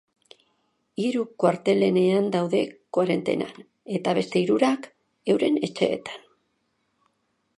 Hiru kuartelenean daude koarentenan, eta beste hirurak, euren etxeetan.